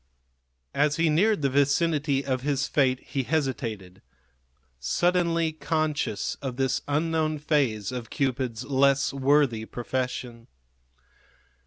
As he neared the vicinity of his fate he hesitated, suddenly conscious of this unknown phase of Cupid's less worthy profession.